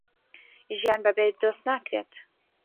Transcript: ژیان بەبێ دۆست ناکرێت